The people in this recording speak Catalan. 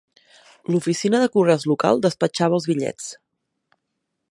L'oficina de correus local despatxava els bitllets.